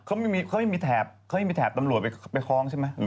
เขายังไม่มีแถบตำรวจไปคล้องใช่ไหม